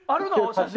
写真。